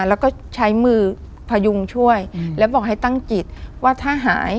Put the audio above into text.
แล้วก็ใช้มือพยุงช่วยแล้วบอกให้ตั้งจิตว่าถ้าหาย